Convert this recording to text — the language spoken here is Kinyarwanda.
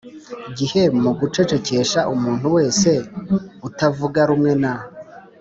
gihe mu gucecekesha umuntu wese utavuga rumwe na